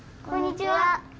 こんにちは。